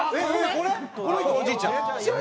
これおじいちゃん。